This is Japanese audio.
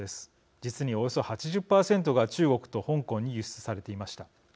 実におよそ８０％が中国と香港に輸出されていました。